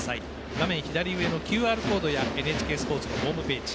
画面左上のＱＲコードやＮＨＫスポーツのホームページ。